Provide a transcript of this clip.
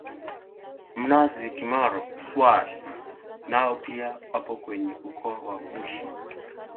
Mmasy Kimaro Swai nao pia wapo kwenye ukoo wa Mushi